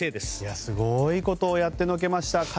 すごいことをやってのけました。